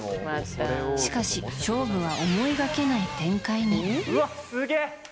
しかし、勝負は思いがけない展開に。